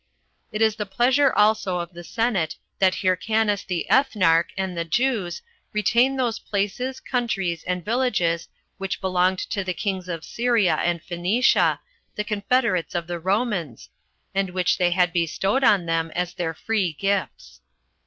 It is the pleasure also of the senate that Hyrcanus the ethnarch, and the Jews, retain those places, countries, and villages which belonged to the kings of Syria and Phoenicia, the confederates of the Romans, and which they had bestowed on them as their free gifts.